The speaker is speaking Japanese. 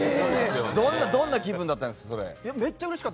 どんな気分だったんですか？